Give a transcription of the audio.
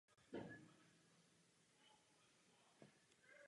Cestou se k němu připojuje několik přítoků.